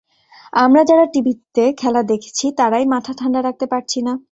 আমরা যারা টিভিতে খেলা দেখছি, তারাই মাথা ঠান্ডা রাখতে পারছি না।